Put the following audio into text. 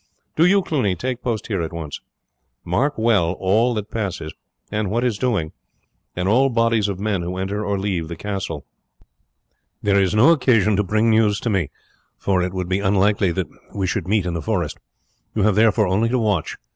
Do you, Cluny, take post here at once. Mark well all that passes, and what is doing, and all bodies of men who enter or leave the castle. There is no occasion to bring news to me, for it would be unlikely that we should meet in the forest; you have therefore only to watch.